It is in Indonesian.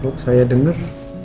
kok saya denger